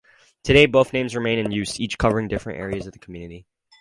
Today, both names remain in use, each covering different areas of the community.